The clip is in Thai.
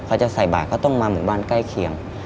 จะใส่บาทเขาต้องมาหมู่บ้านใกล้เคียง